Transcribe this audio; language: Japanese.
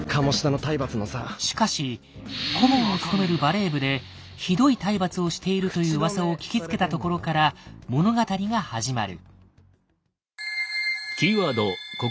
しかし顧問を務めるバレー部でひどい体罰をしているという噂を聞きつけたところから物語が始まる。